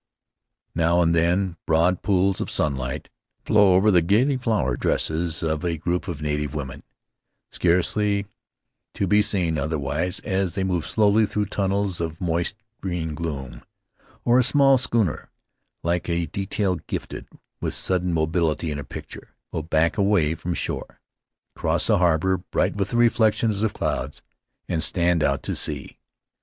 Now and then broad pools of sunlight flow over the gayly flowered dresses of a group of native women, scarcely to be seen other wise as they move slowly through tunnels of moist green gloom; or a small schooner, like a detail gifted with sudden mobility in a picture, will back away from shore, cross the harbor, bright with the reflections of clouds, and stand out to sea.